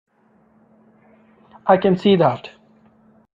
I can see that.